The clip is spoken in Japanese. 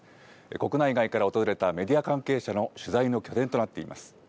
国内外から訪れたメディア関係者の取材の拠点となっています。